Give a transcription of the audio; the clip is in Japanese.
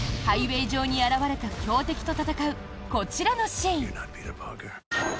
ハイウェー上に現れた強敵と戦う、こちらのシーン。